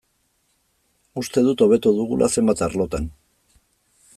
Uste dut hobetu dugula zenbait arlotan.